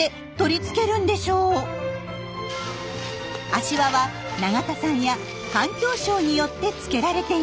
足環は永田さんや環境省によってつけられています。